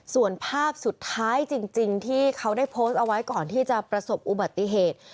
ส่วนภาพสุดท้ายจริงที่เขาได้โพสต์เอาไว้ก่อนที่จะประสบอุบัติเหตุ